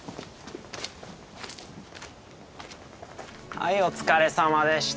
はいお疲れさまでした。